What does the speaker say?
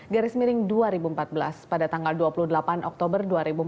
garis miring dua ribu empat belas pada tanggal dua puluh delapan oktober dua ribu empat belas